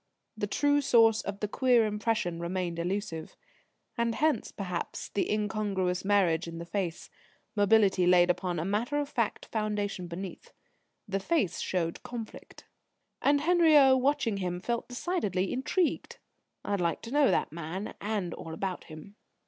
The true source of the queer impression remained elusive. And hence, perhaps, the incongruous marriage in the face mobility laid upon a matter of fact foundation underneath. The face showed conflict. And Henriot, watching him, felt decidedly intrigued. "I'd like to know that man, and all about him."